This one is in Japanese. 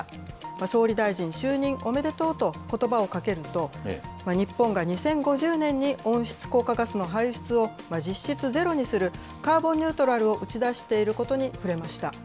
総理大臣就任おめでとうと、ことばをかけると、日本が２０５０年に温室効果ガスの排出を実質ゼロにする、カーボンニュートラルを打ち出していることに触れました。